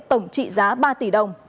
tổng trị giá ba tỷ đồng